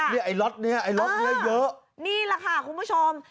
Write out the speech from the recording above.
นี่ไอ้ล็อตนี้เยอะนี่แหละค่ะคุณผู้ชม